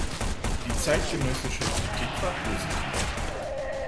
Die zeitgenössische Kritik war positiv.